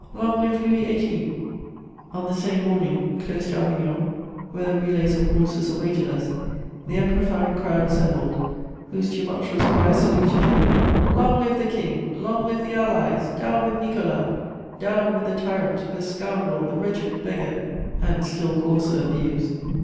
Long live Louis XVIII.!' "On the same morning, close to Avignon, where the relays of horses awaited us, the Emperor found a crowd assembled, whose tumultuous cries saluted him with 'Long live the King! Long live the Allies! Down with Nicolas! Down with the tyrant, the scoundrel, the wretched beggar!' and still coarser abuse.